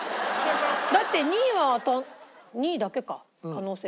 だって２位は２位だけか可能性は。